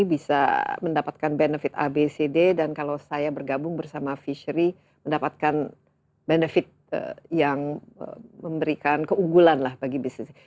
bisa mendapatkan benefit abcd dan kalau saya bergabung bersama fishery mendapatkan benefit yang memberikan keunggulan lah bagi bisnis